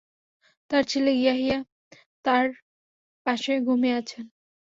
তার ছেলে ইয়াহইয়া তার পাশে ঘুমিয়ে আছেন।